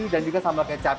dan juga sambal kecap